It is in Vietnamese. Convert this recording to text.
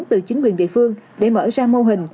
từ chính quyền địa phương để mở ra mô hình